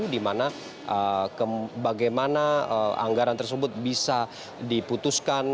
di mana bagaimana anggaran tersebut bisa diputuskan